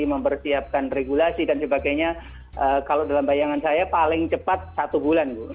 mempersiapkan regulasi dan sebagainya kalau dalam bayangan saya paling cepat satu bulan bu